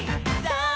さあ